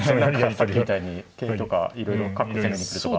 さっきみたいに桂とかいろいろ角攻めに来るとかありますよね。